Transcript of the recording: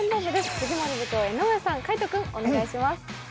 藤森部長、江上さん、海音君、お願いします。